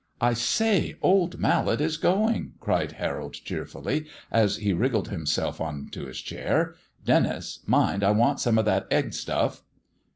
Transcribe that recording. "I say, old Mallet is going," cried Harold cheerfully, as he wriggled himself on to his chair. "Denis, mind I want some of that egg stuff."